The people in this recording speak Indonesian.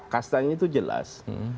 kastanye itu jelas